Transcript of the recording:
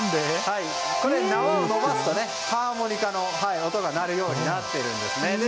これ、縄を伸ばすとハーモニカの音が鳴るようになっているんですね。